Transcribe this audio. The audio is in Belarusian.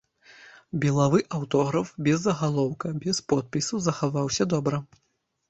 Белавы аўтограф без загалоўка, без подпісу, захаваўся добра.